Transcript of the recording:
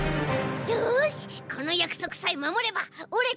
よしこのやくそくさえまもればオレっ